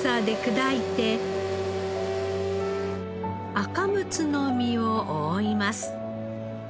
アカムツの身を覆います。